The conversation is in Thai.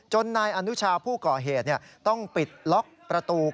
นายอนุชาผู้ก่อเหตุต้องปิดล็อกประตู